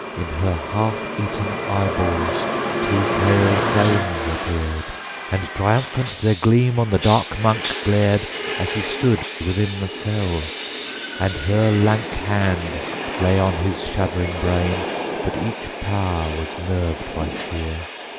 In her half eaten eyeballs two pale flames appeared, And triumphant their gleam on the dark Monk glared, As he stood within the cell. _90 17. And her lank hand lay on his shuddering brain; But each power was nerved by fear.